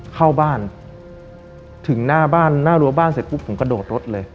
เข้าบ้านถึงหน้าบ้านหน้ารั้วบ้านเสร็จปุ๊บผมกระโดดรถเลย